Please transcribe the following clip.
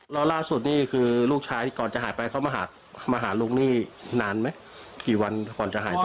แล้วล่าสุดนี่คือลูกชายก่อนจะหายไปเขามาหามาหาลูกนี่นานไหมกี่วันก่อนจะหายไป